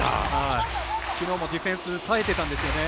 きのうもディフェンスさえてたんですよね。